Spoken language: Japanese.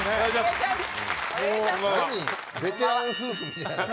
何ベテラン夫婦みたいな。